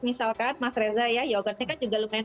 misalkan mas reza ya yogurtnya kan juga lumayan